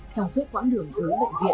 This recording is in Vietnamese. trong suốt quãng đường tới bệnh viện